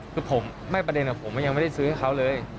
คือผมไม่ประเด็นผมยังไม่ได้ซื้อให้เขาเลย